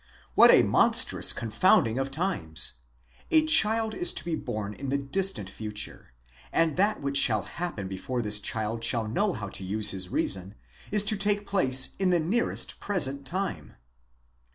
What a monstrous con founding of times! A child is to be born in the distant future, and that which shall happen before this child shall know how to use his reason, is to take place in the nearest present time.